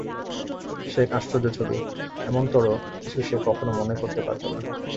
সে এক আশ্চর্য ছবি, এমনতরো কিছু সে কখনো মনে করতে পারত না।